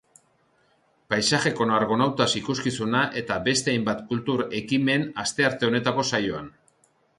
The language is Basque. Paisaje con argonautas ikuskizuna eta beste hainbat kultur ekimen astearte honetako saioan.